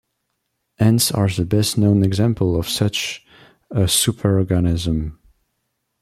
Ants are the best-known example of such a superorganism.